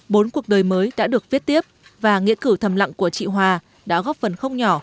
bốn cuộc đời mới đã được viết tiếp và nghĩa cử thầm lặng của chị hoa đã góp phần không nhỏ